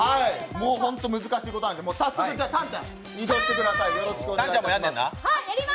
ホント難しいことなので、早速、たんちゃん、移動してください。